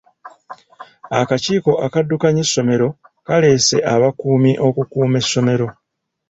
Akakiiko akaddukanya essomero kaaleese abakuumi okukuuma essomero.